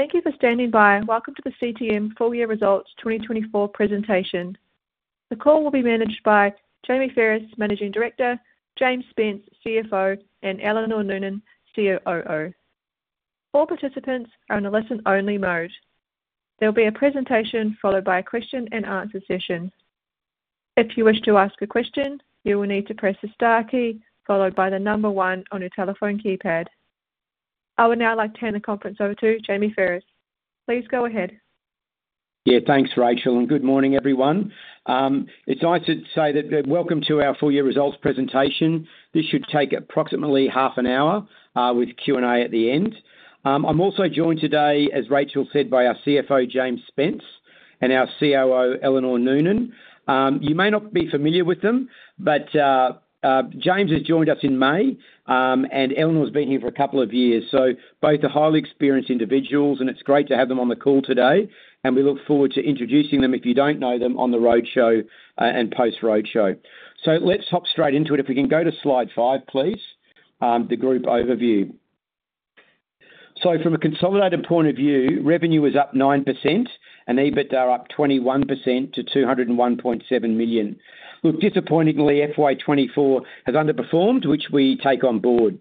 Thank you for standing by, and welcome to the CTM Full Year Results 2024 presentation. The call will be managed by Jamie Pherous, Managing Director, James Spence, CFO, and Eleanor Noonan, COO. All participants are in a listen-only mode. There will be a presentation followed by a question-and-answer session. If you wish to ask a question, you will need to press the star key, followed by the number one on your telephone keypad. I would now like to turn the conference over to Jamie Pherous. Please go ahead. Yeah, thanks, Rachel, and good morning, everyone. It's nice to say that, welcome to our full year results presentation. This should take approximately half an hour, with Q&A at the end. I'm also joined today, as Rachel said, by our CFO, James Spence, and our COO, Eleanor Noonan. You may not be familiar with them, but, James has joined us in May, and Eleanor's been here for a couple of years. So both are highly experienced individuals, and it's great to have them on the call today, and we look forward to introducing them, if you don't know them, on the roadshow, and post-roadshow. So let's hop straight into it. If we can go to slide five, please, the group overview. So from a consolidated point of view, revenue is up 9% and EBITDA up 21% to 201.7 million. Look, disappointingly, FY 2024 has underperformed, which we take on board.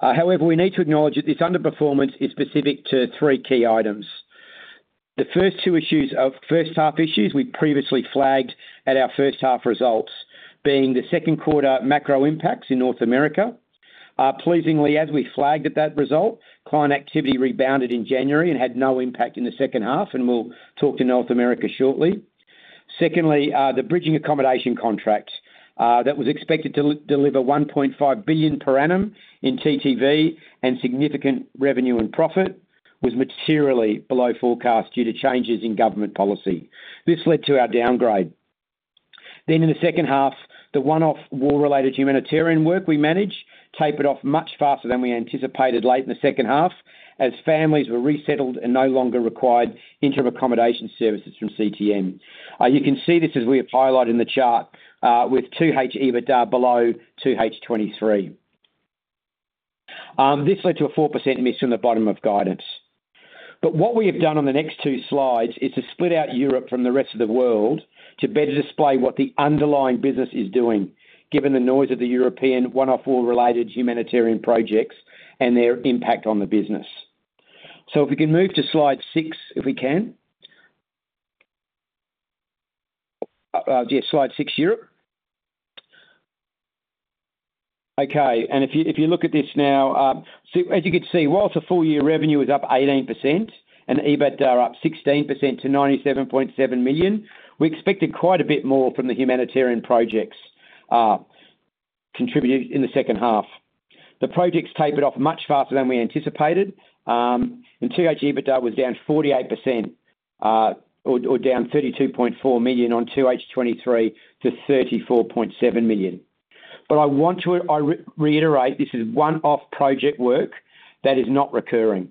However, we need to acknowledge that this underperformance is specific to three key items. The first two issues are first half issues we previously flagged at our first half results, being the second quarter macro impacts in North America. Pleasingly, as we flagged at that result, client activity rebounded in January and had no impact in the second half, and we'll talk to North America shortly. Secondly, the bridging accommodation contracts that was expected to deliver 1.5 billion per annum in TTV and significant revenue and profit was materially below forecast due to changes in government policy. This led to our downgrade. Then in the second half, the one-off war-related humanitarian work we managed tapered off much faster than we anticipated late in the second half, as families were resettled and no longer required interim accommodation services from CTM. You can see this as we have highlighted in the chart, with 2H EBITDA below 2H 2023. This led to a 4% miss from the bottom of guidance. But what we have done on the next two slides is to split out Europe from the rest of the world to better display what the underlying business is doing, given the noise of the European one-off war-related humanitarian projects and their impact on the business. So if we can move to slide six. Yes, slide six, Europe. Okay, and if you, if you look at this now, so as you can see, whilst the full-year revenue is up 18% and EBITDA up 16% to 97.7 million, we expected quite a bit more from the humanitarian projects contributed in the second half. The projects tapered off much faster than we anticipated. And 2H EBITDA was down 48%, or down 32.4 million on 2H 2023 to 34.7 million. But I want to reiterate, this is one off project work that is not recurring.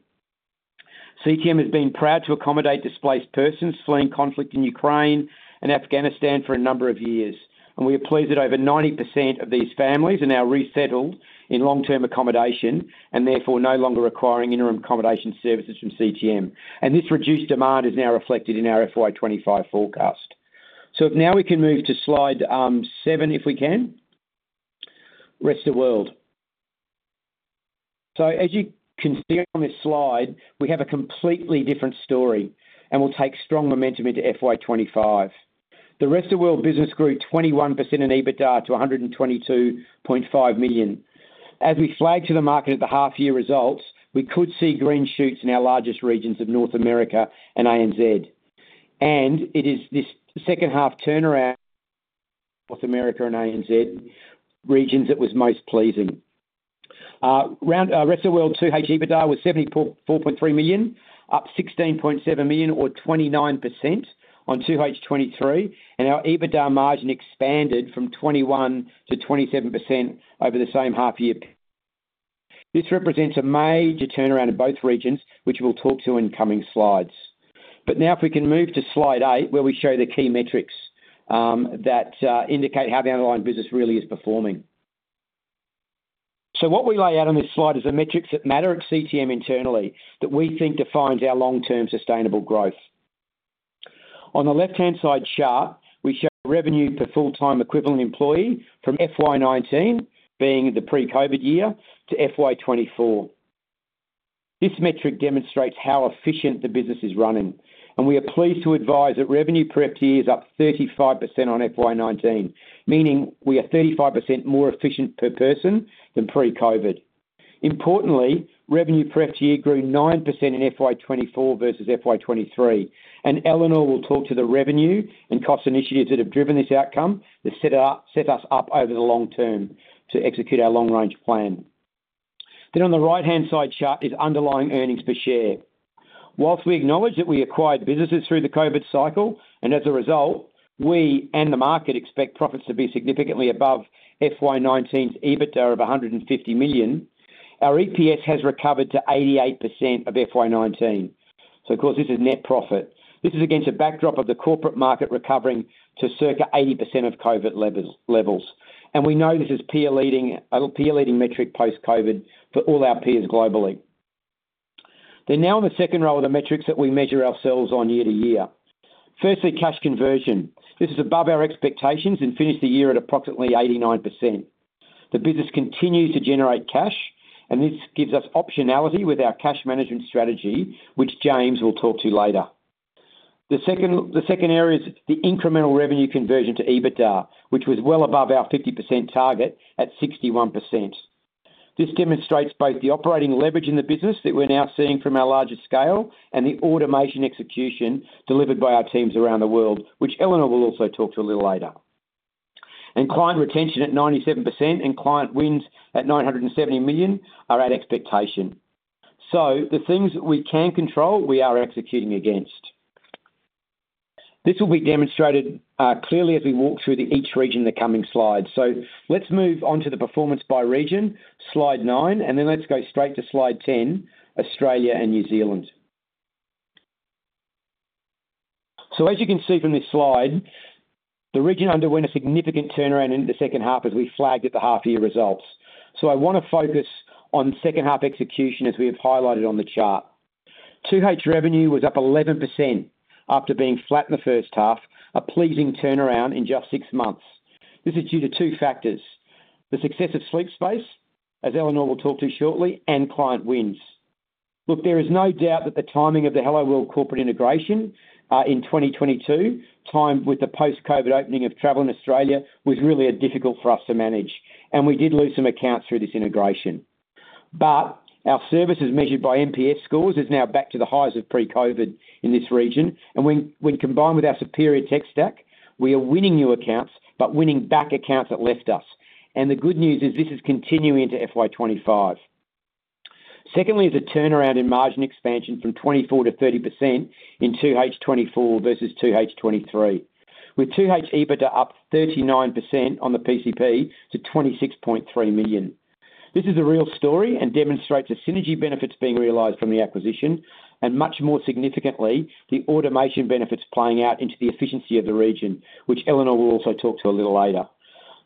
CTM has been proud to accommodate displaced persons fleeing conflict in Ukraine and Afghanistan for a number of years, and we are pleased that over 90% of these families are now resettled in long-term accommodation, and therefore no longer requiring interim accommodation services from CTM. This reduced demand is now reflected in our FY 2025 forecast. Now we can move to slide seven, if we can. Rest of World. As you can see on this slide, we have a completely different story and will take strong momentum into FY 2025. The Rest of World business grew 21% in EBITDA to 122.5 million. As we flagged to the market at the half-year results, we could see green shoots in our largest regions of North America and ANZ. It is this second half turnaround, North America and ANZ regions that was most pleasing. Our Rest of World 2H EBITDA was 74.3 million, up 16.7 million or 29% on 2H 2023, and our EBITDA margin expanded from 21% to 27% over the same half year. This represents a major turnaround in both regions, which we'll talk to in coming slides. But now if we can move to slide eight, where we show the key metrics that indicate how the underlying business really is performing. So what we lay out on this slide is the metrics that matter at CTM internally that we think defines our long-term sustainable growth. On the left-hand side chart, we show revenue per full-time equivalent employee from FY 2019, being the pre-COVID year, to FY 2024. This metric demonstrates how efficient the business is running, and we are pleased to advise that revenue per FTE is up 35% on FY 2019, meaning we are 35% more efficient per person than pre-COVID. Importantly, revenue per FTE grew 9% in FY 2024 versus FY 2023, and Eleanor will talk to the revenue and cost initiatives that have driven this outcome that set us up over the long term to execute our long-range plan. Then on the right-hand side chart is underlying earnings per share. Whilst we acknowledge that we acquired businesses through the COVID cycle, and as a result, we and the market expect profits to be significantly above FY 2019's EBITDA of 150 million, our EPS has recovered to 88% of FY 2019. So of course, this is net profit. This is against a backdrop of the corporate market recovering to circa 80% of COVID levels. And we know this is peer leading, a peer leading metric post-COVID for all our peers globally. Then now on the second row are the metrics that we measure ourselves on year to year. Firstly, cash conversion. This is above our expectations and finished the year at approximately 89%. The business continues to generate cash, and this gives us optionality with our cash management strategy, which James will talk to later. The second, the second area is the incremental revenue conversion to EBITDA, which was well above our 50% target at 61%. This demonstrates both the operating leverage in the business that we're now seeing from our larger scale, and the automation execution delivered by our teams around the world, which Eleanor will also talk to a little later. And client retention at 97% and client wins at 970 million are at expectation. So the things that we can control, we are executing against. This will be demonstrated clearly as we walk through the each region in the coming slides. So let's move on to the performance by region, slide nine, and then let's go straight to slide 10, Australia and New Zealand. So as you can see from this slide, the region underwent a significant turnaround in the second half, as we flagged at the half-year results. So I want to focus on second half execution, as we have highlighted on the chart. 2H revenue was up 11% after being flat in the first half, a pleasing turnaround in just six months. This is due to two factors: the success of Sleep Space, as Eleanor will talk to shortly, and client wins. Look, there is no doubt that the timing of the Helloworld corporate integration in 2022, timed with the post-COVID opening of travel in Australia, was really difficult for us to manage, and we did lose some accounts through this integration. Our service is measured by NPS scores and is now back to the highs of pre-COVID in this region. When, when combined with our superior tech stack, we are winning new accounts but winning back accounts that left us. The good news is this is continuing into FY 2025. Second, there is a turnaround in margin expansion from 24% to 30% in 2H 2024 versus 2H 2023, with 2H EBITDA up 39% on the PCP to 26.3 million. This is a real story and demonstrates the synergy benefits being realized from the acquisition, and much more significantly, the automation benefits playing out into the efficiency of the region, which Eleanor will also talk to a little later.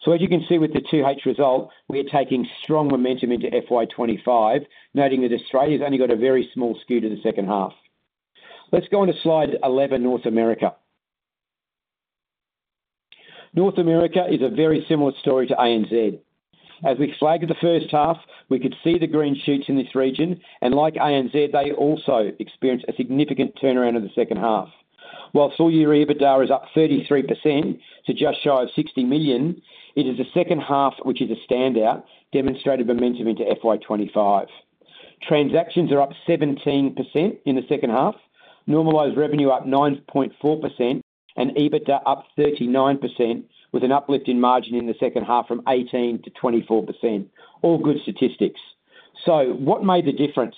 So as you can see with the 2H result, we are taking strong momentum into FY 2025, noting that Australia's only got a very small skew to the second half. Let's go on to slide 11, North America. North America is a very similar story to ANZ. As we flagged the first half, we could see the green shoots in this region, and like ANZ, they also experienced a significant turnaround in the second half. While full-year EBITDA is up 33% to just shy of 60 million, it is the second half, which is a standout, demonstrated momentum into FY 2025. Transactions are up 17% in the second half, normalized revenue up 9.4%, and EBITDA up 39%, with an uplift in margin in the second half from 18% to 24%. All good statistics. So what made the difference?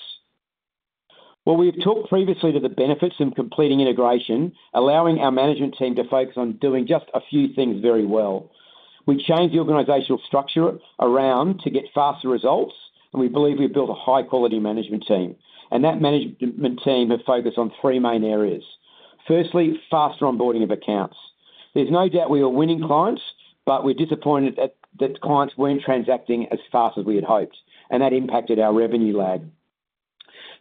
Well, we've talked previously to the benefits of completing integration, allowing our management team to focus on doing just a few things very well. We changed the organizational structure around to get faster results, and we believe we've built a high-quality management team. And that management team have focused on three main areas. Firstly, faster onboarding of accounts. There's no doubt we are winning clients, but we're disappointed that clients weren't transacting as fast as we had hoped, and that impacted our revenue lag.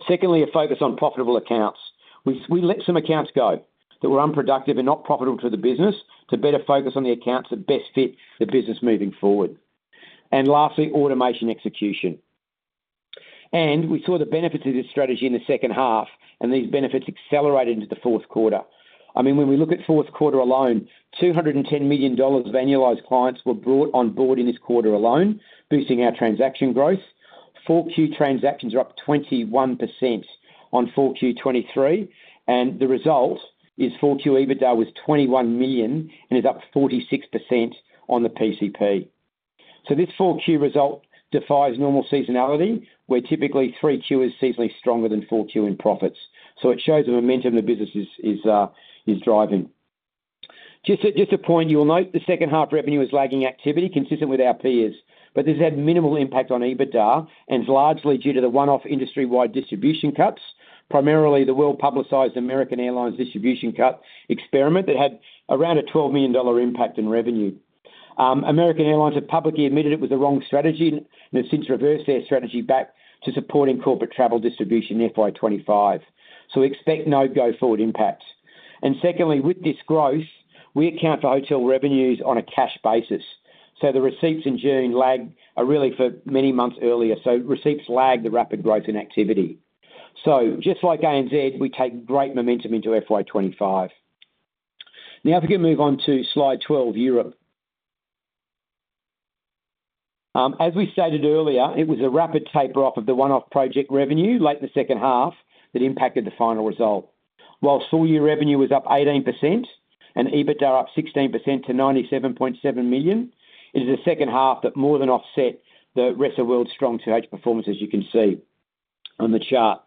Secondly, a focus on profitable accounts. We let some accounts go that were unproductive and not profitable to the business, to better focus on the accounts that best fit the business moving forward, and lastly, automation execution, and we saw the benefits of this strategy in the second half, and these benefits accelerated into the fourth quarter. I mean, when we look at fourth quarter alone, 210 million dollars of annualized clients were brought on board in this quarter alone, boosting our transaction growth. 4Q transactions are up 21% on 4Q 2023, and the result is 4Q EBITDA was 21 million and is up 46% on the PCP, so this 4Q result defies normal seasonality, where typically 3Q is seasonally stronger than 4Q in profits, so it shows the momentum the business is driving. Just, just a point, you'll note, the second half revenue is lagging activity consistent with our peers, but this had minimal impact on EBITDA and is largely due to the one-off industry-wide distribution cuts, primarily the well-publicized American Airlines distribution cut experiment that had around a 12 million dollar impact in revenue. American Airlines have publicly admitted it was the wrong strategy and have since reversed their strategy back to supporting corporate travel distribution in FY 2025. So expect no go-forward impacts. And secondly, with this growth, we account for hotel revenues on a cash basis. So the receipts in June lag, are really for many months earlier. So receipts lag the rapid growth in activity. So just like ANZ, we take great momentum into FY 2025. Now, if we can move on to slide 12, Europe. As we stated earlier, it was a rapid taper off of the one-off project revenue, late in the second half, that impacted the final result. While full-year revenue was up 18% and EBITDA up 16% to 97.7 million, it is the second half that more than offset the rest of the world's strong 2H performance, as you can see on the chart.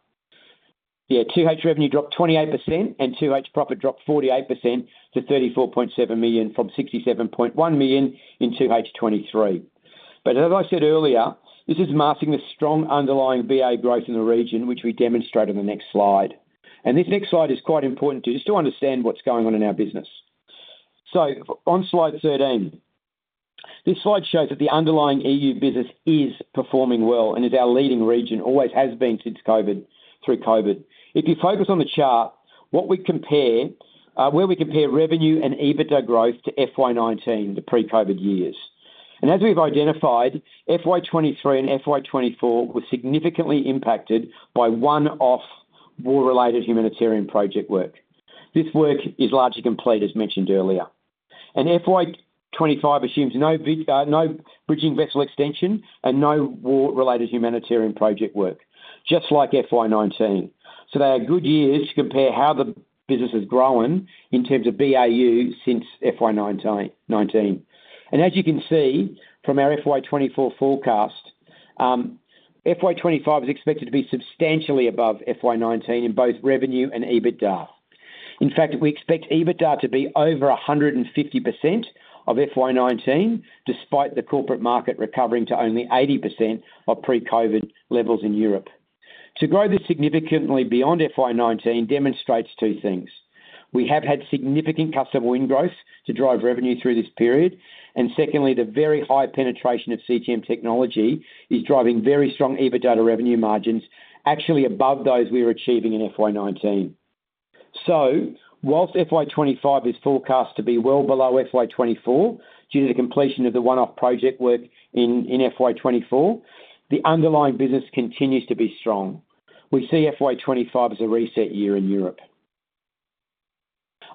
Yeah, 2H revenue dropped 28%, and 2H profit dropped 48% to 34.7 million from 67.1 million in 2H 2023, but as I said earlier, this is masking the strong underlying BAU growth in the region, which we demonstrate on the next slide, and this next slide is quite important, just to understand what's going on in our business. So on slide 13, this slide shows that the underlying EU business is performing well and is our leading region, always has been since COVID, through COVID. If you focus on the chart, where we compare revenue and EBITDA growth to FY 2019, the pre-COVID years. And as we've identified, FY 2023 and FY 2024 were significantly impacted by one-off war-related humanitarian project work. This work is largely complete, as mentioned earlier. And FY 2025 assumes no bridging vessel extension and no war-related humanitarian project work, just like FY 2019. So they are good years to compare how the business has grown in terms of BAU since FY 2019. And as you can see from our FY 2024 forecast, FY 2025 is expected to be substantially above FY 2019 in both revenue and EBITDA. In fact, we expect EBITDA to be over 150% of FY 2019, despite the corporate market recovering to only 80% of pre-COVID levels in Europe. To grow this significantly beyond FY 2019 demonstrates two things: We have had significant customer win growth to drive revenue through this period, and secondly, the very high penetration of CTM technology is driving very strong EBITDA revenue margins, actually above those we were achieving in FY 2019. So while FY 2025 is forecast to be well below FY 2024, due to the completion of the one-off project work in FY 2024, the underlying business continues to be strong. We see FY 2025 as a reset year in Europe.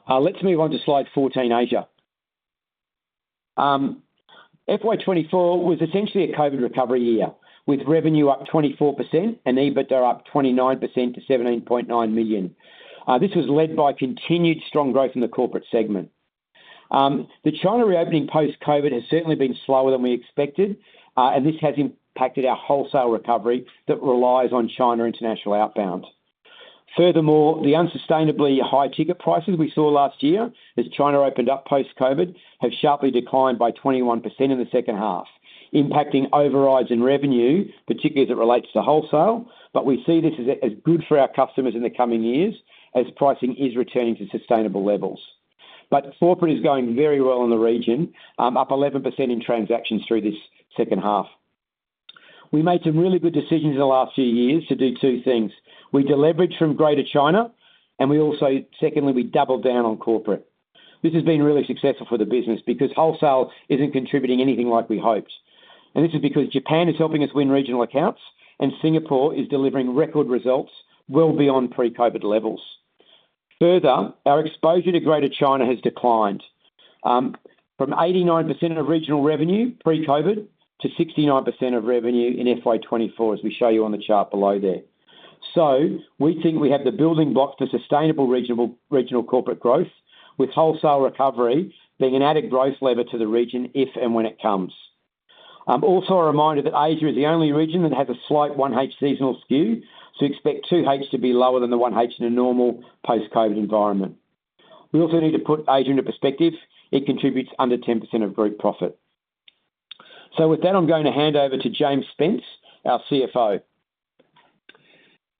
Let's move on to slide 14, Asia. FY 2024 was essentially a COVID recovery year, with revenue up 24% and EBITDA up 29% to 17.9 million. This was led by continued strong growth in the corporate segment. The China reopening post-COVID has certainly been slower than we expected, and this has impacted our wholesale recovery that relies on China international outbound. Furthermore, the unsustainably high ticket prices we saw last year as China opened up post-COVID have sharply declined by 21% in the second half, impacting overrides and revenue, particularly as it relates to wholesale. We see this as good for our customers in the coming years, as pricing is returning to sustainable levels. Corporate is going very well in the region, up 11% in transactions through this second half. We made some really good decisions in the last few years to do two things: We deleveraged from Greater China, and we also secondly, we doubled down on corporate. This has been really successful for the business because wholesale isn't contributing anything like we hoped, and this is because Japan is helping us win regional accounts, and Singapore is delivering record results well beyond pre-COVID levels. Further, our exposure to Greater China has declined from 89% of regional revenue pre-COVID to 69% of revenue in FY 2024, as we show you on the chart below there, so we think we have the building blocks for sustainable regional, regional corporate growth, with wholesale recovery being an added growth lever to the region, if and when it comes. Also a reminder that Asia is the only region that has a slight 1H seasonal skew, so expect 2H to be lower than the 1H in a normal post-COVID environment. We also need to put Asia into perspective. It contributes under 10% of group profit. So with that, I'm going to hand over to James Spence, our CFO.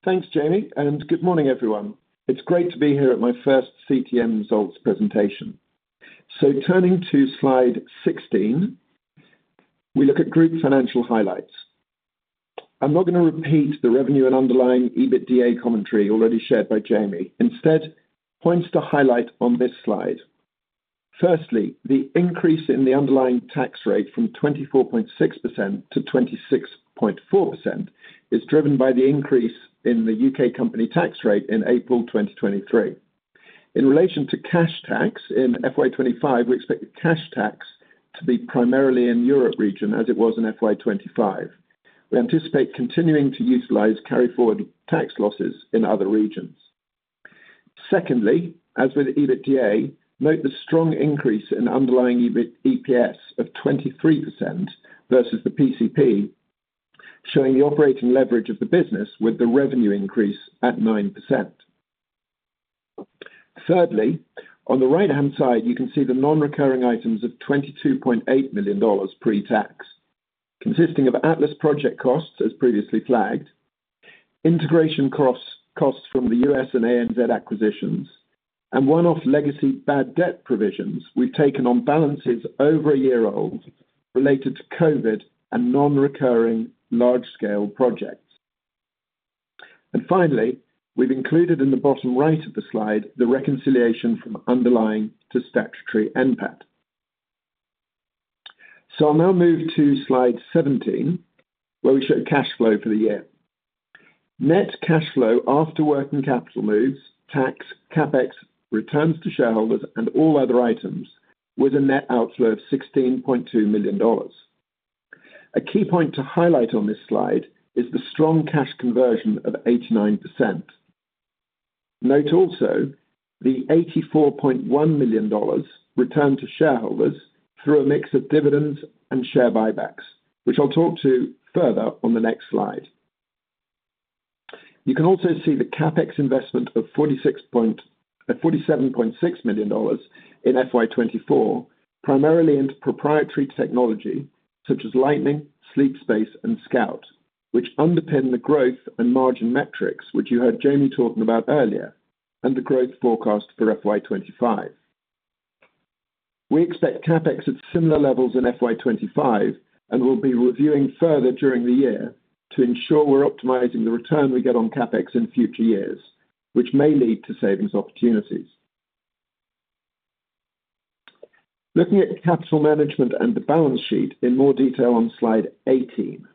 Thanks, Jamie, and good morning, everyone. It's great to be here at my first CTM results presentation. So turning to slide 16, we look at group financial highlights. I'm not going to repeat the revenue and underlying EBITDA commentary already shared by Jamie. Instead, points to highlight on this slide. Firstly, the increase in the underlying tax rate from 24.6% to 26.4% is driven by the increase in the U.K. company tax rate in April 2023. In relation to cash tax, in FY 2025, we expect the cash tax to be primarily in Europe region, as it was in FY 2025. We anticipate continuing to utilize carry forward tax losses in other regions. Secondly, as with EBITDA, note the strong increase in underlying EBIT-EPS of 23% versus the PCP, showing the operating leverage of the business with the revenue increase at 9%. Thirdly, on the right-hand side, you can see the non-recurring items of 22.8 million dollars pre-tax, consisting of Atlas project costs as previously flagged, integration costs, costs from the U.S. and ANZ acquisitions, and one-off legacy bad debt provisions we've taken on balances over a year old related to COVID and non-recurring large-scale projects, and finally, we've included in the bottom right of the slide, the reconciliation from underlying to statutory NPAT. So I'll now move to slide 17, where we show cash flow for the year: net cash flow after working capital moves, tax, CapEx, returns to shareholders and all other items, with a net outflow of 16.2 million dollars. A key point to highlight on this slide is the strong cash conversion of 89%. Note also the 84.1 million dollars returned to shareholders through a mix of dividends and share buybacks, which I'll talk to further on the next slide. You can also see the CapEx investment of 47.6 million dollars in FY 2024, primarily into proprietary technology, such as Lightning, Sleep Space, and Scout, which underpin the growth and margin metrics, which you heard Jamie talking about earlier, and the growth forecast for FY 2025. We expect CapEx at similar levels in FY 2025, and we'll be reviewing further during the year to ensure we're optimizing the return we get on CapEx in future years, which may lead to savings opportunities. Looking at capital management and the balance sheet in more detail on slide 18.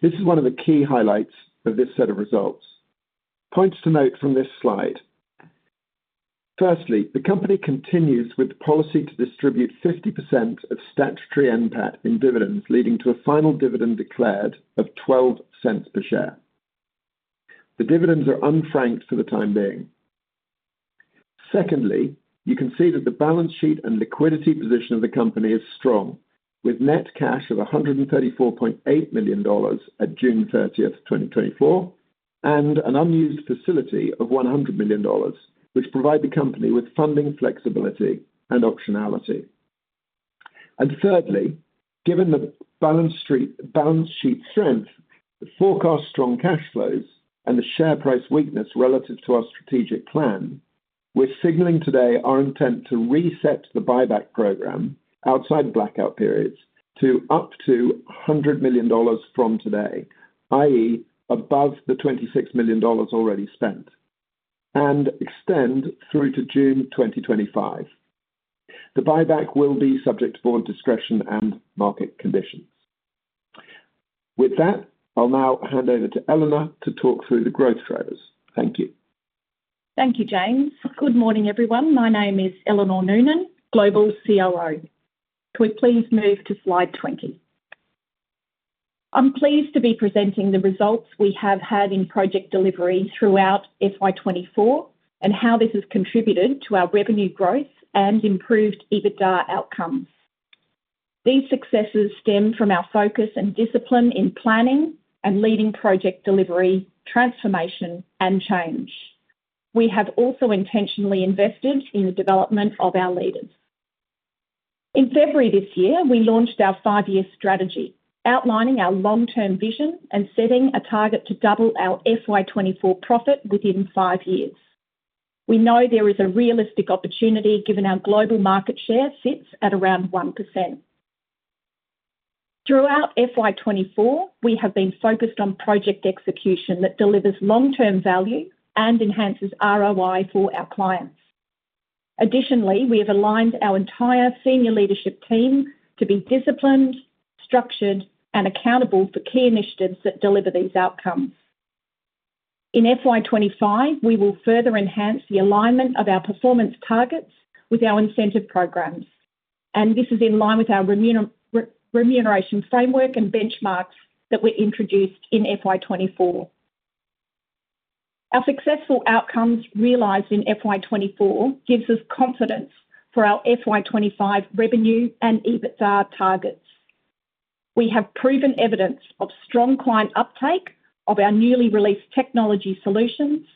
This is one of the key highlights of this set of results. Points to note from this slide: firstly, the company continues with the policy to distribute 50% of statutory NPAT in dividends, leading to a final dividend declared of 0.12 per share. The dividends are unfranked for the time being. Secondly, you can see that the balance sheet and liquidity position of the company is strong, with net cash of 134.8 million dollars at June 30th, 2024, and an unused facility of 100 million dollars, which provide the company with funding, flexibility, and optionality. Thirdly, given the balance sheet strength, the forecast strong cash flows, and the share price weakness relative to our strategic plan, we're signaling today our intent to reset the buyback program outside blackout periods to up to 100 million dollars from today, i.e., above the 26 million dollars already spent, and extend through to June 2025. The buyback will be subject to board discretion and market conditions. With that, I'll now hand over to Eleanor to talk through the growth drivers. Thank you. Thank you, James. Good morning, everyone. My name is Eleanor Noonan, Global COO. Could we please move to slide 20? I'm pleased to be presenting the results we have had in project delivery throughout FY 2024 and how this has contributed to our revenue growth and improved EBITDA outcomes. These successes stem from our focus and discipline in planning and leading project delivery, transformation, and change. We have also intentionally invested in the development of our leaders. In February this year, we launched our five-year strategy, outlining our long-term vision and setting a target to double our FY 2024 profit within five years. We know there is a realistic opportunity, given our global market share sits at around 1%. Throughout FY 2024, we have been focused on project execution that delivers long-term value and enhances ROI for our clients. Additionally, we have aligned our entire senior leadership team to be disciplined, structured, and accountable for key initiatives that deliver these outcomes. In FY 2025, we will further enhance the alignment of our performance targets with our incentive programs, and this is in line with our remuneration framework and benchmarks that were introduced in FY 2024. Our successful outcomes realized in FY 2024 gives us confidence for our FY 2025 revenue and EBITDA targets. We have proven evidence of strong client uptake of our newly released technology solutions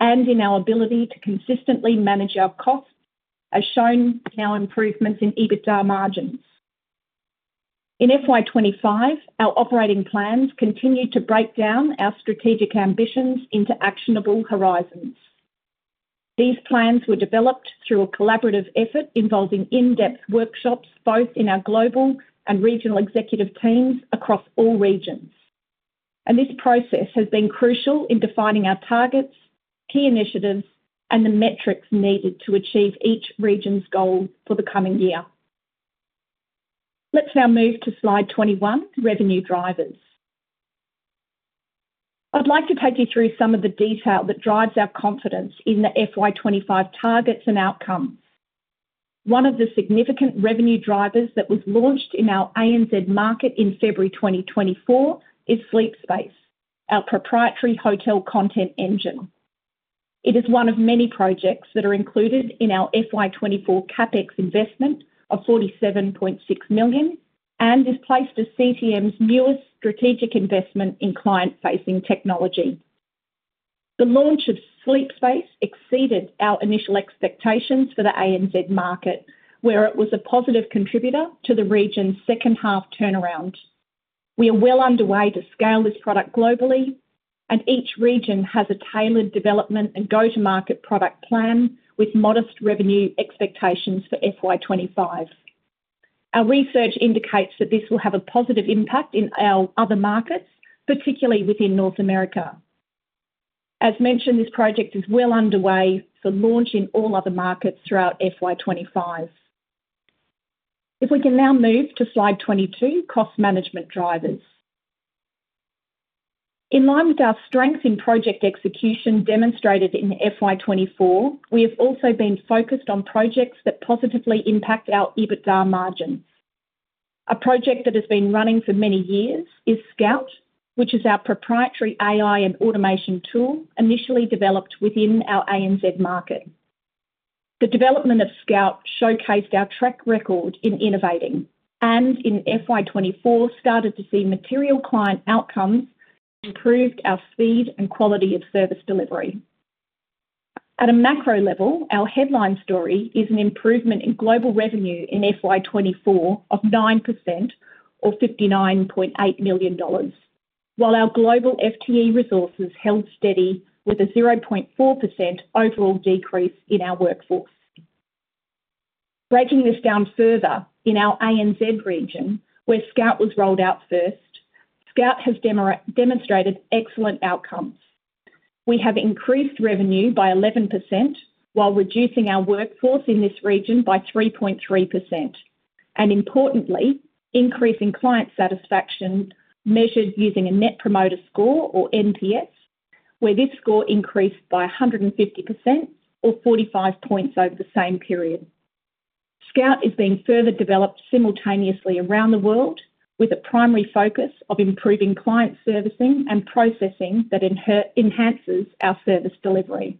and in our ability to consistently manage our costs, as shown in our improvements in EBITDA margins. In FY 2025, our operating plans continue to break down our strategic ambitions into actionable horizons. These plans were developed through a collaborative effort involving in-depth workshops, both in our global and regional executive teams across all regions. This process has been crucial in defining our targets, key initiatives, and the metrics needed to achieve each region's goal for the coming year. Let's now move to slide 21, revenue drivers. I'd like to take you through some of the detail that drives our confidence in the FY 2025 targets and outcomes. One of the significant revenue drivers that was launched in our ANZ market in February 2024 is Sleep Space, our proprietary hotel content engine. It is one of many projects that are included in our FY 2024 CapEx investment of 47.6 million and is placed as CTM's newest strategic investment in client-facing technology. The launch of Sleep Space exceeded our initial expectations for the ANZ market, where it was a positive contributor to the region's second half turnaround. We are well underway to scale this product globally, and each region has a tailored development and go-to-market product plan with modest revenue expectations for FY 2025. Our research indicates that this will have a positive impact in our other markets, particularly within North America. As mentioned, this project is well underway for launch in all other markets throughout FY 2025. If we can now move to slide 22, cost management drivers. In line with our strength in project execution demonstrated in FY 2024, we have also been focused on projects that positively impact our EBITDA margins. A project that has been running for many years is Scout, which is our proprietary AI and automation tool, initially developed within our ANZ market. The development of Scout showcased our track record in innovating, and in FY 2024, started to see material client outcomes, improved our speed and quality of service delivery. At a macro level, our headline story is an improvement in global revenue in FY 2024 of 9% or 59.8 million dollars, while our global FTE resources held steady with a 0.4% overall decrease in our workforce. Breaking this down further, in our ANZ region, where Scout was rolled out first, Scout has demonstrated excellent outcomes. We have increased revenue by 11% while reducing our workforce in this region by 3.3%, and importantly, increasing client satisfaction measured using a Net Promoter Score, or NPS, where this score increased by 150% or 45 points over the same period. Scout is being further developed simultaneously around the world, with a primary focus of improving client servicing and processing that enhances our service delivery.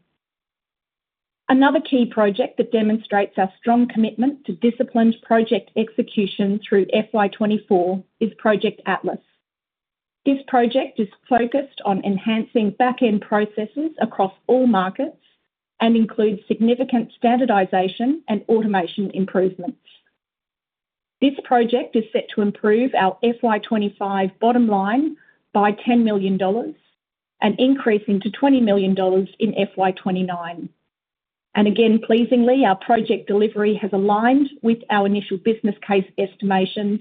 Another key project that demonstrates our strong commitment to disciplined project execution through FY 2024 is Project Atlas. This project is focused on enhancing back-end processes across all markets and includes significant standardization and automation improvements. This project is set to improve our FY 2025 bottom line by 10 million dollars, and increasing to 20 million dollars in FY 2029. And again, pleasingly, our project delivery has aligned with our initial business case estimations.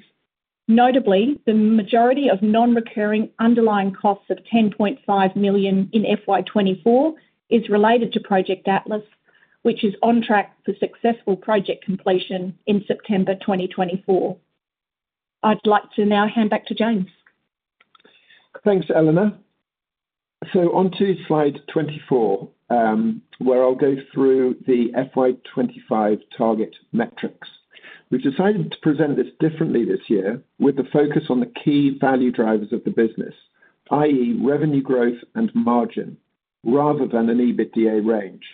Notably, the majority of non-recurring underlying costs of 10.5 million in FY 2024 is related to Project Atlas, which is on track for successful project completion in September 2024. I'd like to now hand back to James. Thanks, Eleanor. So on to slide 24, where I'll go through the FY 2025 target metrics. We've decided to present this differently this year with the focus on the key value drivers of the business, i.e., revenue growth and margin, rather than an EBITDA range.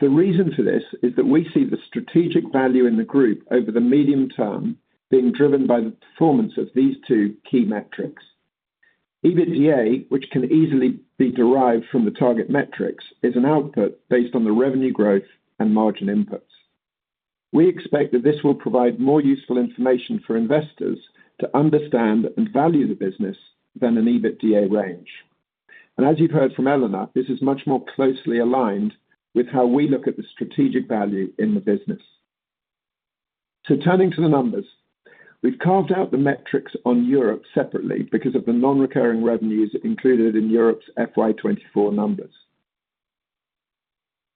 The reason for this is that we see the strategic value in the group over the medium term being driven by the performance of these two key metrics. EBITDA, which can easily be derived from the target metrics, is an output based on the revenue growth and margin inputs. We expect that this will provide more useful information for investors to understand and value the business than an EBITDA range. And as you've heard from Eleanor, this is much more closely aligned with how we look at the strategic value in the business. So turning to the numbers. We've carved out the metrics on Europe separately because of the non-recurring revenues included in Europe's FY 2024 numbers.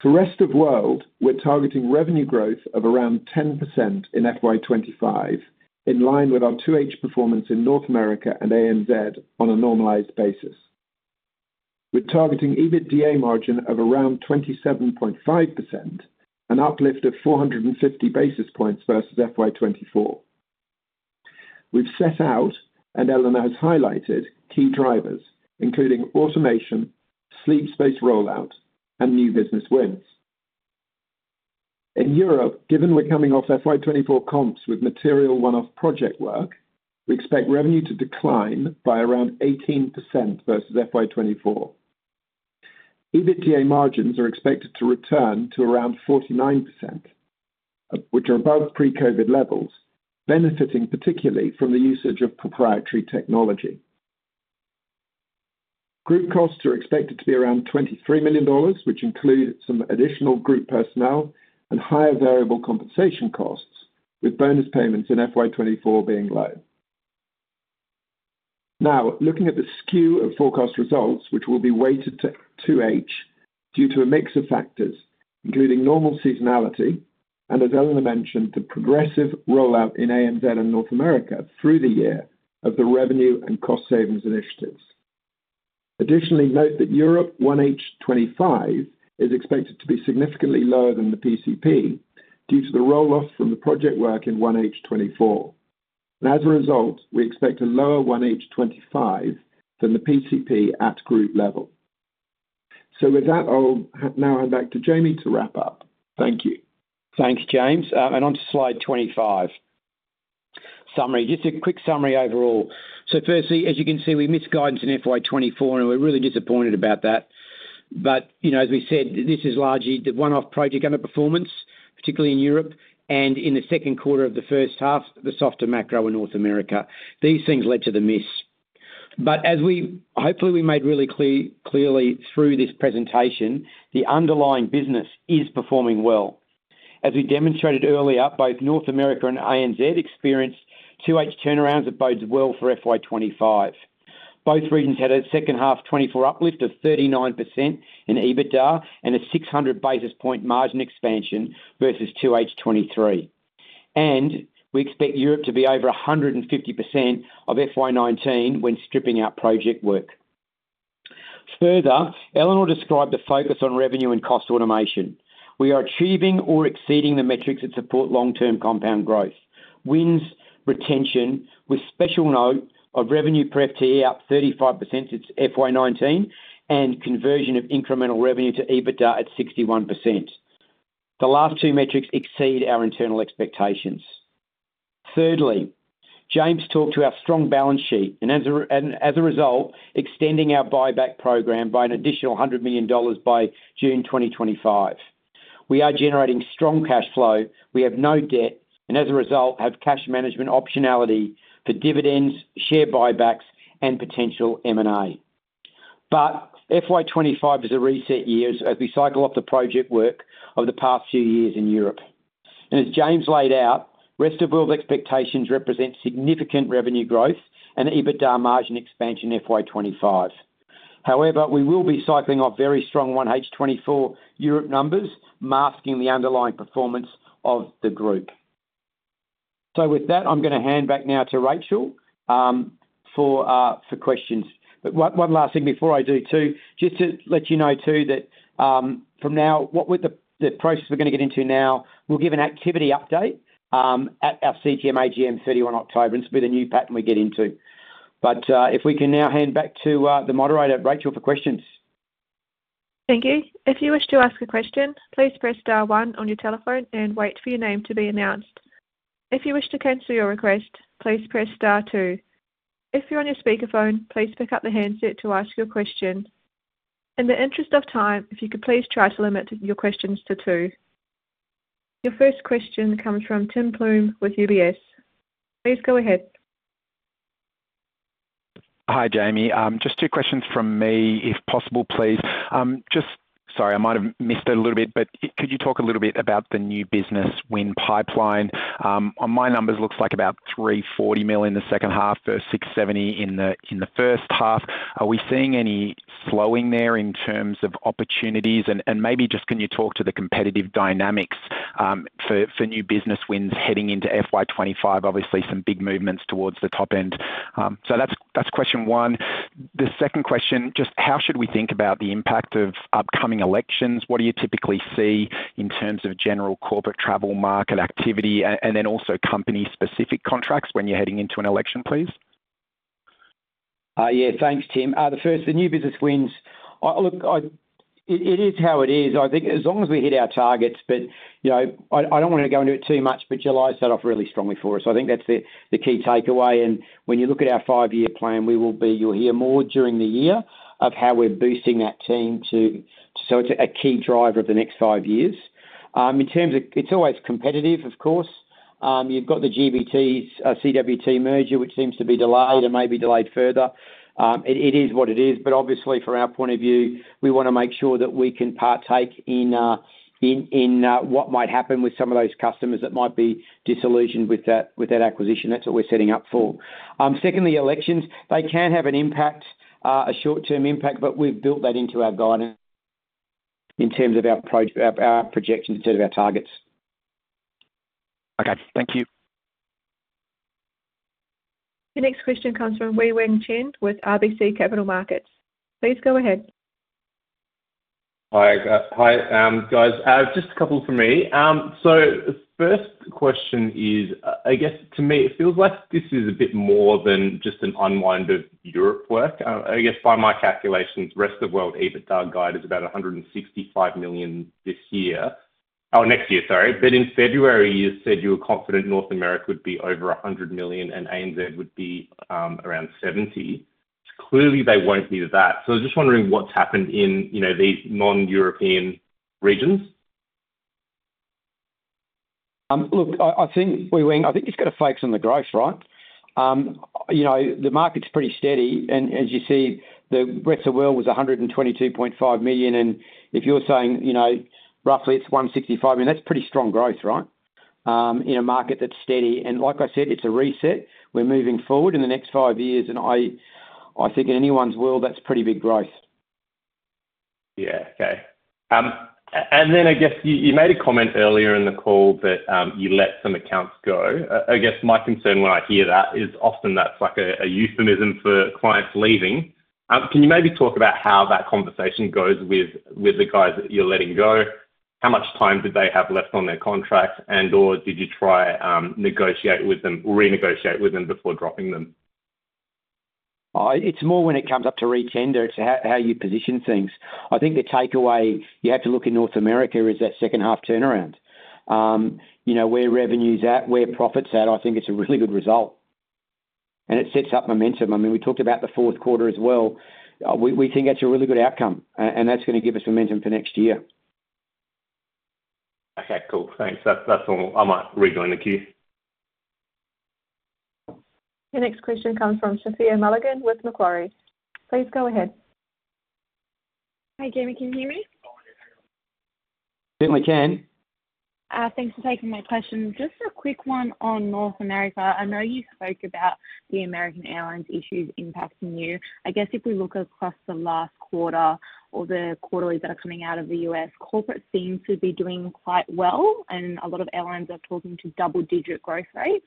For Rest of World, we're targeting revenue growth of around 10% in FY 2025, in line with our 2H performance in North America and ANZ on a normalized basis. We're targeting EBITDA margin of around 27.5%, an uplift of 450 basis points versus FY 2024. We've set out, and Eleanor has highlighted, key drivers, including automation, Sleep Space rollout, and new business wins. In Europe, given we're coming off FY 2024 comps with material one-off project work, we expect revenue to decline by around 18% versus FY 2024. EBITDA margins are expected to return to around 49%, which are above pre-COVID levels, benefiting particularly from the usage of proprietary technology. Group costs are expected to be around 23 million dollars, which include some additional group personnel and higher variable compensation costs, with bonus payments in FY 2024 being low. Now, looking at the skew of forecast results, which will be weighted to 2H, due to a mix of factors, including normal seasonality, and as Eleanor mentioned, the progressive rollout in ANZ and North America through the year of the revenue and cost savings initiatives. Additionally, note that Europe 1H 2025 is expected to be significantly lower than the PCP due to the roll-off from the project work in 1H 2024. And as a result, we expect a lower 1H 2025 than the PCP at group level. So with that, I'll now hand back to Jamie to wrap up. Thank you. Thanks, James. And on to slide 25. Summary. Just a quick summary overall. So firstly, as you can see, we missed guidance in FY 2024, and we're really disappointed about that. But, you know, as we said, this is largely the one-off project underperformance, particularly in Europe, and in the second quarter of the first half, the softer macro in North America. These things led to the miss. But as we hopefully we made really clear, clearly through this presentation, the underlying business is performing well. As we demonstrated earlier, both North America and ANZ experienced 2H turnarounds that bodes well for FY 2025. Both regions had a second half 2024 uplift of 39% in EBITDA and a 600 basis point margin expansion versus 2H 2023. We expect Europe to be over 150% of FY 2019 when stripping out project work. Further, Eleanor described the focus on revenue and cost automation. We are achieving or exceeding the metrics that support long-term compound growth, wins, retention with special note of revenue per FTE up 35% since FY 2019, and conversion of incremental revenue to EBITDA at 61%. The last two metrics exceed our internal expectations. Thirdly, James talked to our strong balance sheet, and as a result, extending our buyback program by an additional 100 million dollars by June 2025. We are generating strong cash flow. We have no debt, and as a result, have cash management optionality for dividends, share buybacks, and potential M&A. But FY 2025 is a reset year as we cycle off the project work over the past few years in Europe. As James laid out, Rest of World expectations represent significant revenue growth and EBITDA margin expansion FY 2025. However, we will be cycling off very strong 1H 2024 Europe numbers, masking the underlying performance of the group. So with that, I'm gonna hand back now to Rachel for questions. But one last thing before I do, just to let you know, that from now, with the process we're gonna get into now, we'll give an activity update at our CTM AGM, 31 October. This will be the new pattern we get into. If we can now hand back to the moderator, Rachel, for questions. Thank you. If you wish to ask a question, please press star one on your telephone and wait for your name to be announced. If you wish to cancel your request, please press star two. If you're on your speakerphone, please pick up the handset to ask your question. In the interest of time, if you could please try to limit your questions to two. Your first question comes from Tim Plumbe with UBS. Please go ahead. Hi, Jamie. Just two questions from me, if possible, please. Just, sorry, I might have missed it a little bit, but could you talk a little bit about the new business win pipeline? On my numbers, it looks like about 340 million in the second half versus 670 million in the first half. Are we seeing any slowing there in terms of opportunities? And maybe just can you talk to the competitive dynamics for new business wins heading into FY 2025? Obviously, some big movements towards the top end. So that's question one. The second question, just how should we think about the impact of upcoming elections? What do you typically see in terms of general corporate travel market activity, and then also company-specific contracts when you're heading into an election, please? Yeah. Thanks, Tim. The new business wins. Look, it is how it is. I think as long as we hit our targets, but, you know, I don't want to go into it too much, but July started off really strongly for us. I think that's the key takeaway, and when you look at our five-year plan, we will be. You'll hear more during the year of how we're boosting that team to. So it's a key driver of the next five years. In terms of, it's always competitive, of course, you've got the GBT's, CWT merger, which seems to be delayed and may be delayed further. It is what it is, but obviously from our point of view, we wanna make sure that we can partake in what might happen with some of those customers that might be disillusioned with that acquisition. That's what we're setting up for. Secondly, elections. They can have an impact, a short-term impact, but we've built that into our guidance in terms of our projections instead of our targets. Okay. Thank you. The next question comes from Wei-Weng Chen with RBC Capital Markets. Please go ahead. Hi, guys. Just a couple from me, so first question is, I guess to me, it feels like this is a bit more than just an unwind of Europe work. I guess by my calculations, Rest of World EBITDA guide is about 165 million this year, or next year, sorry. But in February, you said you were confident North America would be over 100 million and ANZ would be around 70 million. Clearly, they won't be that, so I was just wondering what's happened in, you know, these non-European regions? Look, I think, Wei-Weng, I think you've got to focus on the growth, right? You know, the market's pretty steady, and as you see, the Rest of World was 122.5 million, and if you're saying, you know, roughly it's 165 million, I mean, that's pretty strong growth, right? In a market that's steady, and like I said, it's a reset. We're moving forward in the next five years, and I think in anyone's world, that's pretty big growth. Yeah. Okay. And then I guess you, you made a comment earlier in the call that you let some accounts go. I guess my concern when I hear that is often that's like a euphemism for clients leaving. Can you maybe talk about how that conversation goes with the guys that you're letting go? How much time did they have left on their contract, and/or did you try to negotiate with them or renegotiate with them before dropping them? It's more when it comes up to re-tender, it's how you position things. I think the takeaway you have to look in North America is that second half turnaround. You know, where revenue's at, where profit's at, I think it's a really good result, and it sets up momentum. I mean, we talked about the fourth quarter as well. We think that's a really good outcome, and that's gonna give us momentum for next year. Okay, cool. Thanks. That, that's all. I might rejoin the queue. Your next question comes from Sophia Mulligan with Macquarie. Please go ahead. Hi, Jamie, can you hear me? Certainly can. Thanks for taking my question. Just a quick one on North America. I know you spoke about the American Airlines issues impacting you. I guess if we look across the last quarter or the quarterlies that are coming out of the U.S., corporate seems to be doing quite well, and a lot of airlines are talking to double-digit growth rates.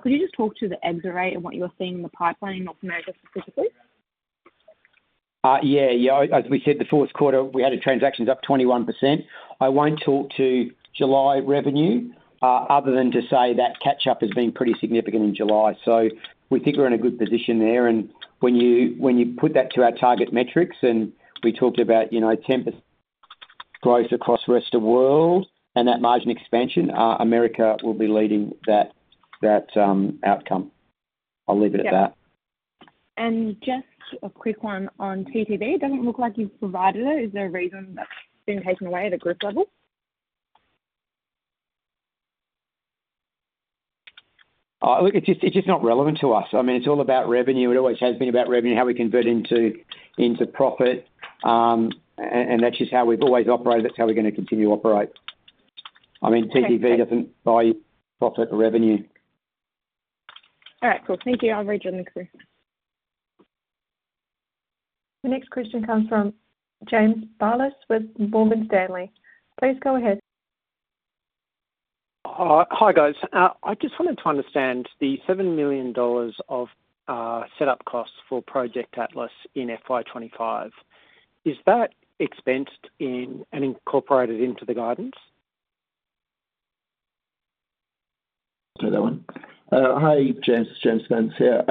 Could you just talk to the FX rate and what you're seeing in the pipeline in North America specifically? Yeah, as we said, the fourth quarter, we added transactions up 21%. I won't talk to July revenue, other than to say that catch-up has been pretty significant in July. So we think we're in a good position there. And when you put that to our target metrics, and we talked about, you know, 10% growth across the Rest of World and that margin expansion, America will be leading that outcome. I'll leave it at that. Just a quick one on TTV. It doesn't look like you've provided it. Is there a reason that's been taken away at a group level? Look, it's just not relevant to us. I mean, it's all about revenue. It always has been about revenue, how we convert into profit, and that's just how we've always operated. That's how we're going to continue to operate. I mean, TTV doesn't buy profit or revenue. All right, cool. Thank you. I'll return next week. The next question comes from James Bales with Morgan Stanley. Please go ahead. Hi. Hi, guys. I just wanted to understand the 7 million dollars of setup costs for Project Atlas in FY 2025. Is that expensed in and incorporated into the guidance? Take that one. Hi, James. It's James Spence here.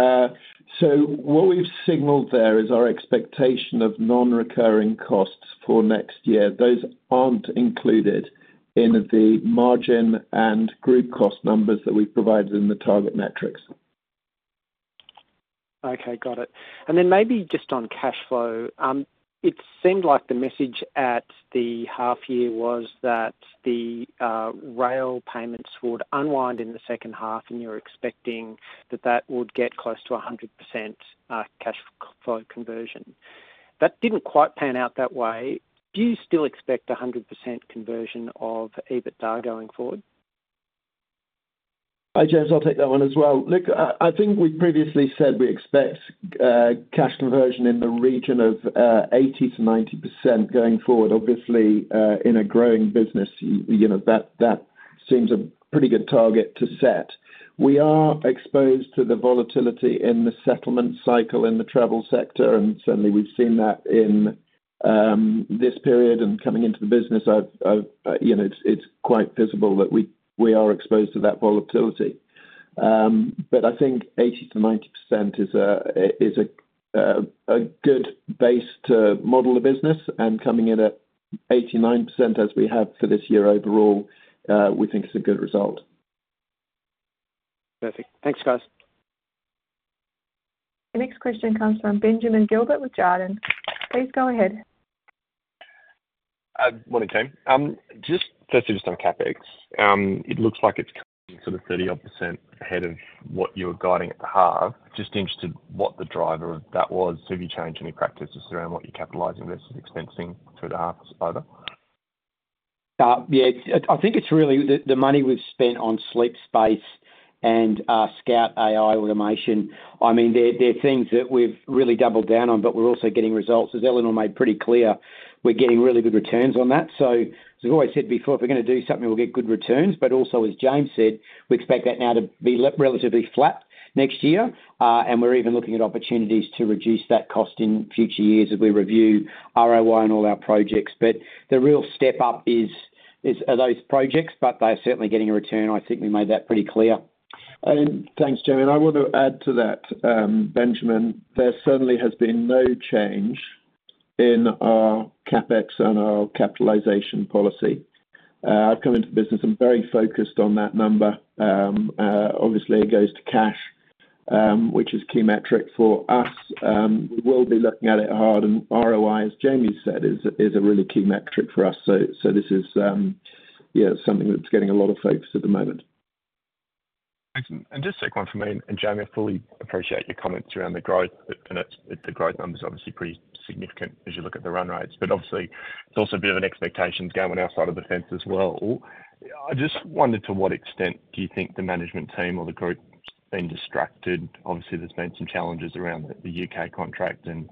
So what we've signaled there is our expectation of non-recurring costs for next year. Those aren't included in the margin and group cost numbers that we've provided in the target metrics. Okay, got it. And then maybe just on cash flow, it seemed like the message at the half year was that the rail payments would unwind in the second half, and you're expecting that that would get close to 100% cash flow conversion. That didn't quite pan out that way. Do you still expect 100% conversion of EBITDA going forward? Hi, James. I'll take that one as well. Look, I think we previously said we expect cash conversion in the region of 80%-90% going forward. Obviously, in a growing business, you know, that seems a pretty good target to set. We are exposed to the volatility in the settlement cycle in the travel sector, and certainly we've seen that in this period and coming into the business. I've, you know, it's quite visible that we are exposed to that volatility. But I think 80%-90% is a good base to model the business and coming in at 89%, as we have for this year overall, we think is a good result. Perfect. Thanks, guys. The next question comes from Benjamin Gilbert with Jarden. Please go ahead. Morning, team. Just firstly, just on CapEx, it looks like it's sort of 30-odd% ahead of what you were guiding at the half. Just interested what the driver of that was. Have you changed any practices around what you're capitalizing versus expensing through the half or so far? Yeah, I think it's really the money we've spent on Sleep Space and Scout AI automation. I mean, they're things that we've really doubled down on, but we're also getting results. As Eleanor made pretty clear, we're getting really good returns on that. So as I've always said before, if we're going to do something, we'll get good returns. But also, as James said, we expect that now to be relatively flat next year. And we're even looking at opportunities to reduce that cost in future years as we review ROI on all our projects. But the real step up is those projects, but they're certainly getting a return. I think we made that pretty clear. Thanks, Jamie. I want to add to that, Benjamin. There certainly has been no change in our CapEx and our capitalization policy. I've come into the business and very focused on that number. Obviously, it goes to cash, which is key metric for us. We'll be looking at it hard, and ROI, as Jamie said, is a really key metric for us. So this is, yeah, something that's getting a lot of focus at the moment. Thanks. And just second one for me. And Jamie, I fully appreciate your comments around the growth, and it's, the growth number is obviously pretty significant as you look at the run rates. But obviously, there's also a bit of an expectation game on our side of the fence as well. I just wondered, to what extent do you think the management team or the group's been distracted? Obviously, there's been some challenges around the U.K. contract and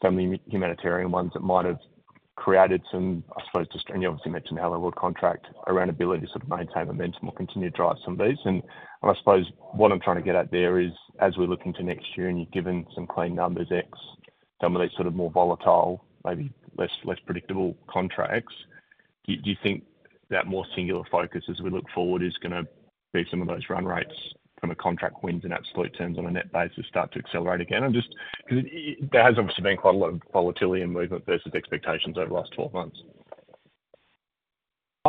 some of the humanitarian ones that might have created some, I suppose, and you obviously mentioned how the world contract around ability to sort of maintain momentum will continue to drive some of these. I suppose what I'm trying to get at there is, as we look into next year and you're given some clean numbers, X, some of these sort of more volatile, maybe less predictable contracts, do you think that more singular focus as we look forward is gonna be some of those run rates from a contract wins in absolute terms on a net basis, start to accelerate again? And just because there has obviously been quite a lot of volatility and movement versus expectations over the last twelve months.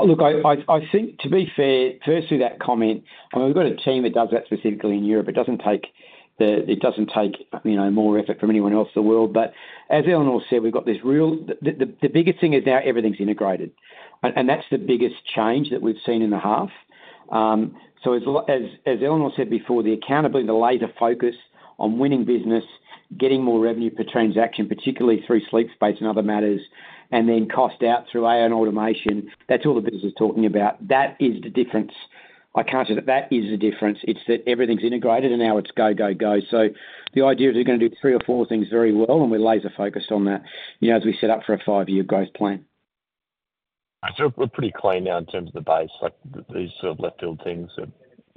Look, I think to be fair, firstly, that comment, and we've got a team that does that specifically in Europe. It doesn't take, you know, more effort from anyone else in the world. But as Eleanor said, we've got this real. The biggest thing is now everything's integrated, and that's the biggest change that we've seen in the half. So as Eleanor said before, the accountability, the laser focus on winning business, getting more revenue per transaction, particularly through Sleep Space and other matters, and then cost out through AI and automation, that's all the business is talking about. That is the difference. I can't say that that is the difference. It's that everything's integrated, and now it's go, go, go. So the idea is we're going to do three or four things very well, and we're laser focused on that, you know, as we set up for a five-year growth plan. I feel we're pretty clean now in terms of the base, like, these sort of left field things are,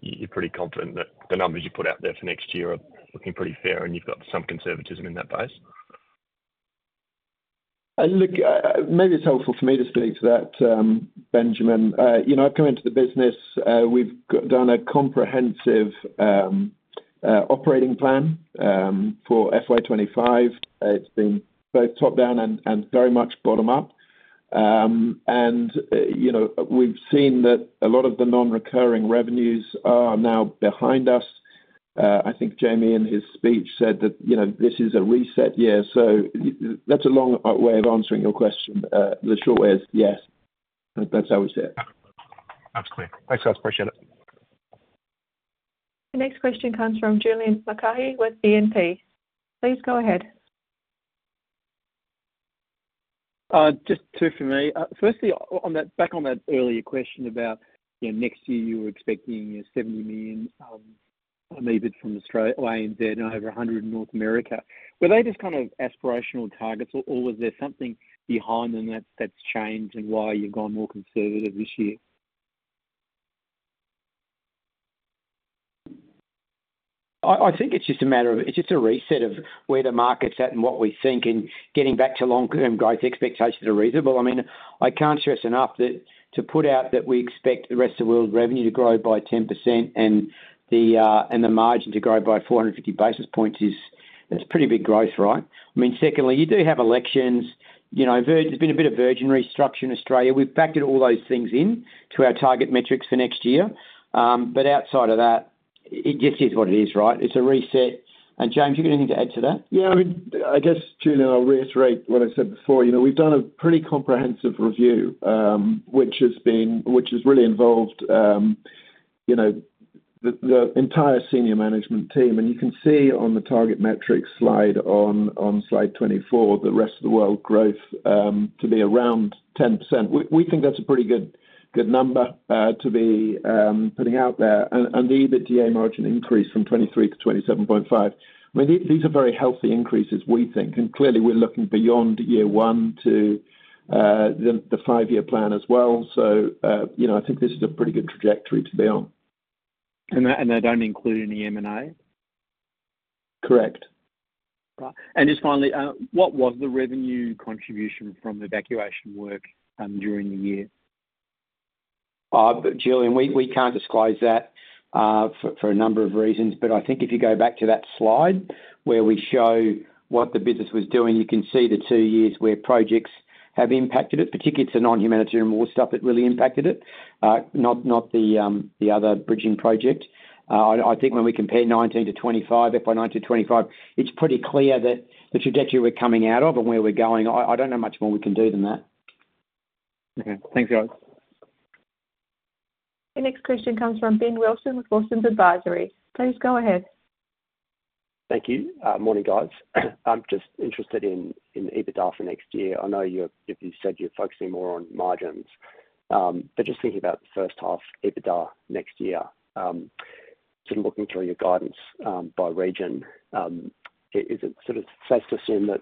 you're pretty confident that the numbers you put out there for next year are looking pretty fair, and you've got some conservatism in that base? Look, maybe it's helpful for me to speak to that, Benjamin. You know, I've come into the business. We've done a comprehensive operating plan for FY 2025. It's been both top down and very much bottom up. You know, we've seen that a lot of the non-recurring revenues are now behind us. I think Jamie, in his speech, said that, you know, this is a reset year. That's a long way of answering your question. The short way is, yes, that's how we see it. That's clear. Thanks, guys. Appreciate it. The next question comes from Julian Mulcahy with E&P. Please go ahead. Just two for me. Firstly, back on that earlier question about, you know, next year you were expecting 7 million EBIT from Australia and NZ, and over a hundred in North America. Were they just kind of aspirational targets, or was there something behind them that's changed and why you've gone more conservative this year? I think it's just a matter of, it's just a reset of where the market's at and what we think, and getting back to long-term growth expectations are reasonable. I mean, I can't stress enough that to put out that we expect the rest of the world revenue to grow by 10% and the, and the margin to grow by 450 basis points is, that's pretty big growth, right? I mean, secondly, you do have elections. You know, Virgin, there's been a bit of Virgin restructure in Australia. We've factored all those things in to our target metrics for next year. But outside of that, it just is what it is, right? It's a reset. And James, you got anything to add to that? Yeah, I mean, I guess, Julian, I'll reiterate what I said before. You know, we've done a pretty comprehensive review, which has really involved, you know, the entire senior management team. And you can see on the target metrics slide, on slide 24, the rest of the world growth to be around 10%. We think that's a pretty good number to be putting out there. And the EBITDA margin increase from 23% to 27.5%. I mean, these are very healthy increases we think, and clearly we're looking beyond year one to the five-year plan as well. So, you know, I think this is a pretty good trajectory to be on. And that don't include any M&A? Correct. Right. And just finally, what was the revenue contribution from evacuation work during the year? Julian, we can't disclose that for a number of reasons. But I think if you go back to that slide where we show what the business was doing, you can see the two years where projects have impacted it, particularly it's the non-humanitarian war stuff that really impacted it, not the other bridging project. I think when we compare 2019 to 2025, FY 2019 to 2025, it's pretty clear that the trajectory we're coming out of and where we're going, I don't know much more we can do than that. Okay. Thanks, guys. The next question comes from Ben Wilson with Wilsons Advisory. Please go ahead. Thank you. Morning, guys. I'm just interested in EBITDA for next year. I know you've said you're focusing more on margins. But just thinking about the first half EBITDA next year, sort of looking through your guidance, by region, is it sort of safe to assume that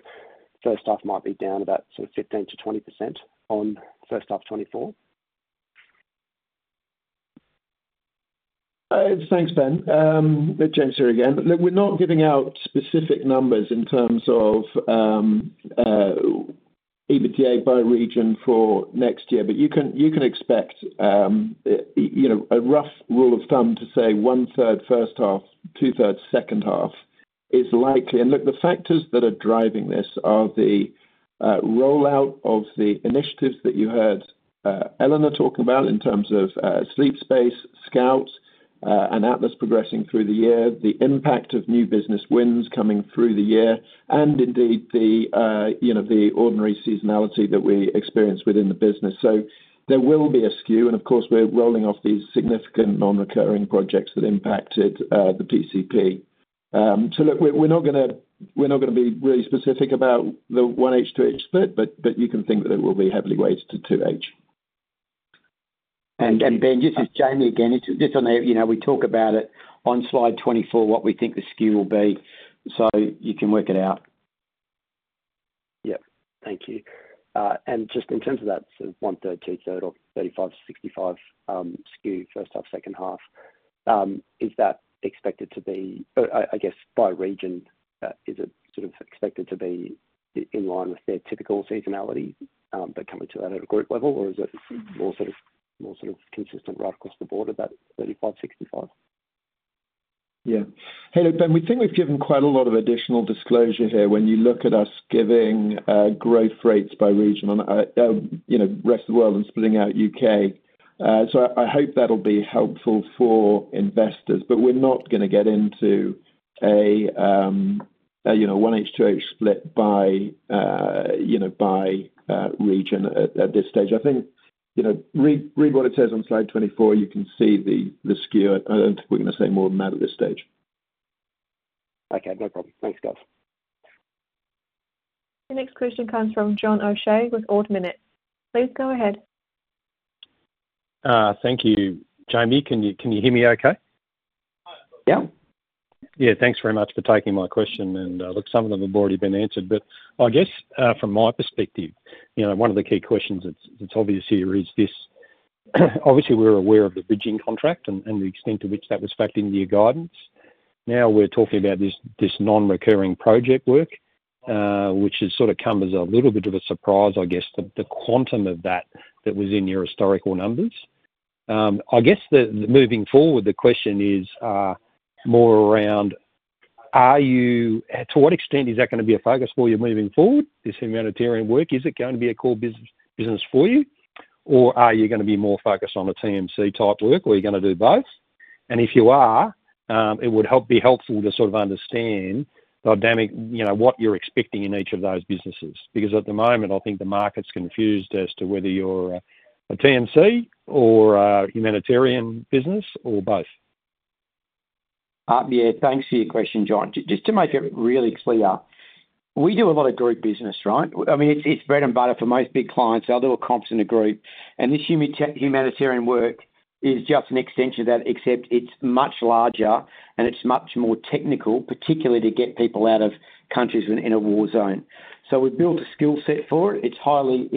first half might be down about sort of 15%-20% on first half 2024? Thanks, Ben. James here again. Look, we're not giving out specific numbers in terms of EBITDA by region for next year, but you can, you can expect, you know, a rough rule of thumb to say 1/3, first half, 2/3, second half is likely. And look, the factors that are driving this are the rollout of the initiatives that you heard Eleanor talk about in terms of Sleep Space, Scout, and Atlas progressing through the year, the impact of new business wins coming through the year and indeed, you know, the ordinary seasonality that we experience within the business. So there will be a skew, and of course, we're rolling off these significant non-recurring projects that impacted the PCP. Look, we're not gonna be really specific about the 1H, 2H split, but you can think that it will be heavily weighted to 2H. And, Ben, this is Jamie again. It's just on there, you know, we talk about it on slide 24, what we think the skew will be, so you can work it out. Yep. Thank you, and just in terms of that sort of 1/3, 2/3 or 35/65 skew, first half, second half, is that expected to be? I guess by region, is it sort of expected to be in line with their typical seasonality, but coming to that at a group level? Or is it more sort of consistent right across the board, about 35/65? Yeah. Hey, look, Ben, we think we've given quite a lot of additional disclosure here when you look at us giving growth rates by region, you know, rest of the world and splitting out U.K. So I hope that'll be helpful for investors, but we're not gonna get into a, you know, 1H, 2H split by, you know, by region at this stage. I think, you know, read what it says on slide 24. You can see the skew. I don't think we're gonna say more than that at this stage. Okay, no problem. Thanks, guys. The next question comes from John O'Shea with Ord Minnett. Please go ahead. Thank you, Jamie. Can you, can you hear me okay? Yeah. Yeah, thanks very much for taking my question, and look, some of them have already been answered. But I guess, from my perspective, you know, one of the key questions that's, that's obvious here is this: obviously, we're aware of the bridging contract and the extent to which that was factored into your guidance. Now we're talking about this non-recurring project work, which has sort of come as a little bit of a surprise, I guess, the quantum of that that was in your historical numbers. Moving forward, the question is more around are you to what extent is that gonna be a focus for you moving forward, this humanitarian work? Is it going to be a core business for you? Or are you gonna be more focused on the TMC-type work, or are you gonna do both? If you are, it would be helpful to sort of understand dynamically, you know, what you're expecting in each of those businesses. Because at the moment, I think the market's confused as to whether you're a TMC or a humanitarian business or both. Yeah, thanks for your question, John. Just to make it really clear, we do a lot of group business, right? I mean, it's bread and butter for most big clients. They'll do a confs in a group, and this humanitarian work is just an extension of that, except it's much larger, and it's much more technical, particularly to get people out of countries when in a war zone. So we've built a skill set for it. It's highly.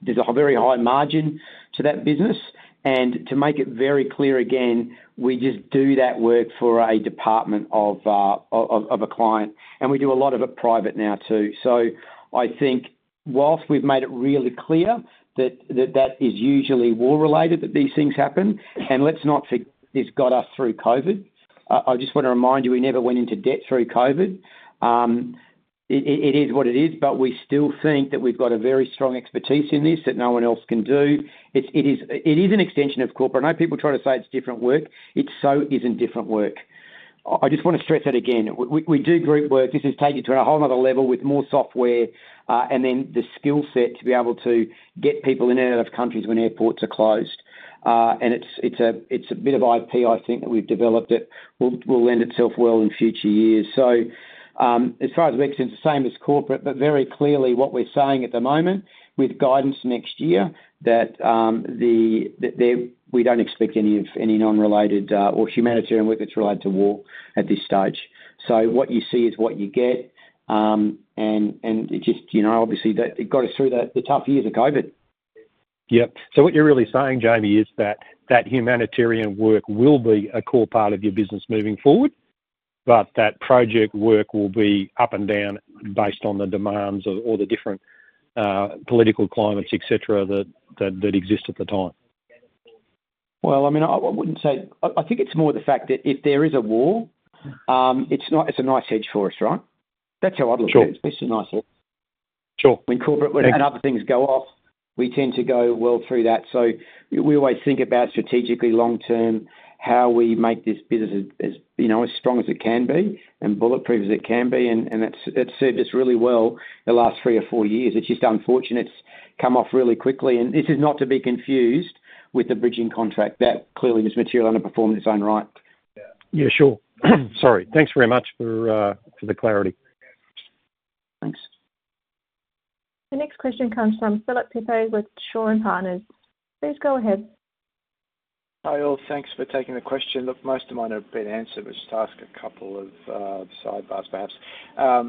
There's a very high margin to that business, and to make it very clear again, we just do that work for a department of a client, and we do a lot of it private now, too. So I think while we've made it really clear that that is usually war-related, that these things happen, and let's not think this got us through COVID. I just wanna remind you, we never went into debt through COVID. It is what it is, but we still think that we've got a very strong expertise in this that no one else can do. It is an extension of corporate. I know people try to say it's different work. It so isn't different work. I just want to stress that again, we do group work. This has taken it to a whole another level with more software, and then the skill set to be able to get people in and out of countries when airports are closed. And it's a bit of IP, I think, that we've developed that will lend itself well in future years. So, as far as the extent, the same as corporate, but very clearly what we're saying at the moment, with guidance next year, that we don't expect any of, any non-related, or humanitarian work that's related to war at this stage. So what you see is what you get. And it just, you know, obviously, that it got us through the tough years of COVID. Yep. So what you're really saying, Jamie, is that humanitarian work will be a core part of your business moving forward, but that project work will be up and down based on the demands or the different political climates, et cetera, that exist at the time? I mean, I wouldn't say. I think it's more the fact that if there is a war, it's not--it's a nice hedge for us, right? That's how I'd look at it. Sure. It's a nice hedge. Sure. When corporate and other things go off, we tend to go well through that. So we always think about strategically, long term, how we make this business as, you know, as strong as it can be and bulletproof as it can be, and it's served us really well the last three or four years. It's just unfortunate it's come off really quickly, and this is not to be confused with the bridging contract. That clearly was material underperform in its own right. Yeah, sure. Sorry. Thanks very much for the clarity. Thanks. The next question comes from Philip Pepe with Shaw and Partners. Please go ahead. Hi, all. Thanks for taking the question. Look, most of mine have been answered, but just ask a couple of sidebars, perhaps.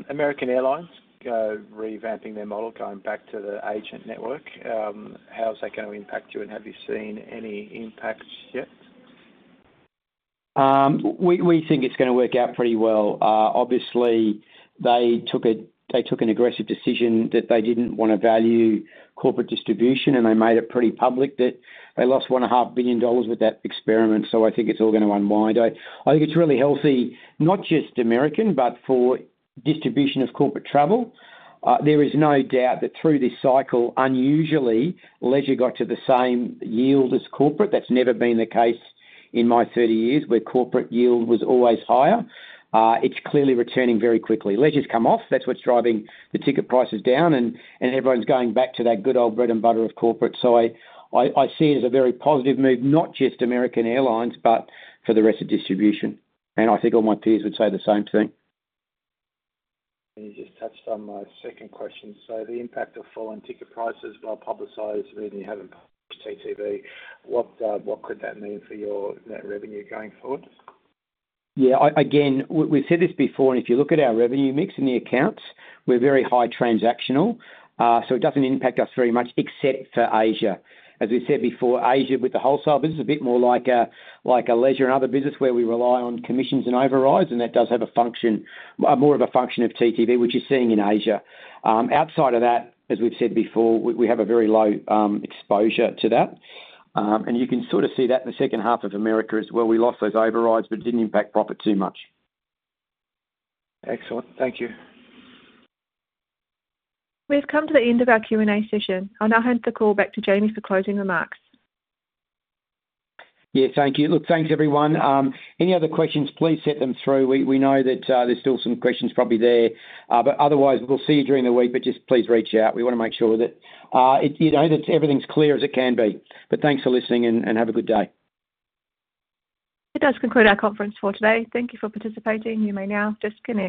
American Airlines, revamping their model, going back to the agent network, how is that going to impact you, and have you seen any impacts yet? We think it's gonna work out pretty well. Obviously, they took an aggressive decision that they didn't want to value corporate distribution, and they made it pretty public that they lost $1.5 billion with that experiment, so I think it's all gonna unwind. I think it's really healthy, not just American, but for distribution of corporate travel. There is no doubt that through this cycle, unusually, leisure got to the same yield as corporate. That's never been the case in my 30 years, where corporate yield was always higher. It's clearly returning very quickly. Leisure's come off. That's what's driving the ticket prices down, and everyone's going back to that good old bread and butter of corporate. So I see it as a very positive move, not just American Airlines, but for the rest of distribution. And I think all my peers would say the same thing. You just touched on my second question. The impact of falling ticket prices, while publicized, really haven't [impacted] TTV. What, what could that mean for your net revenue going forward? Yeah, again, we've said this before, and if you look at our revenue mix in the accounts, we're very high transactional, so it doesn't impact us very much except for Asia. As we said before, Asia, with the wholesale business, is a bit more like a leisure and other business where we rely on commissions and overrides, and that does have a function, more of a function of TTV, which you're seeing in Asia. Outside of that, as we've said before, we have a very low exposure to that. And you can sort of see that in the second half of America as well. We lost those overrides, but it didn't impact profit too much. Excellent. Thank you. We've come to the end of our Q&A session. I'll now hand the call back to Jamie for closing remarks. Yeah, thank you. Look, thanks, everyone. Any other questions, please send them through. We know that there's still some questions probably there, but otherwise, we'll see you during the week, but just please reach out. We want to make sure that, it, you know, that everything's clear as it can be. But thanks for listening and have a good day. That does conclude our conference for today. Thank you for participating. You may now disconnect.